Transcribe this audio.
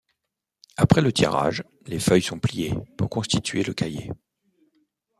Après le tirage, les feuilles sont pliées pour constituer le cahier.